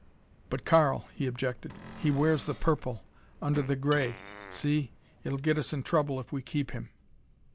"But Karl," he objected, "he wears the purple. Under the gray. See! It'll get us in trouble if we keep him."